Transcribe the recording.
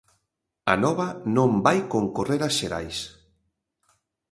Anova non vai concorrer ás xerais.